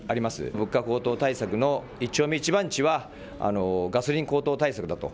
物価高騰対策の１丁目１番地は、ガソリン高騰対策だと。